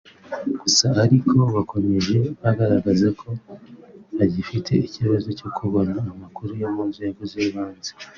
Gusa ariko bakomeje bagaragaza ko bagifite ikibazo cyo kubona amakuru yo mu nzego z’ibanze